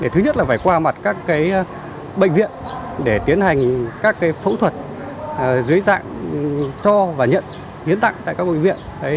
thứ nhất là phải qua mặt các bệnh viện để tiến hành các phẫu thuật dưới dạng cho và nhận hiến tặng tại các bệnh viện